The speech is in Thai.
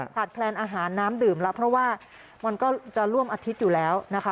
แคลนอาหารน้ำดื่มแล้วเพราะว่ามันก็จะร่วมอาทิตย์อยู่แล้วนะคะ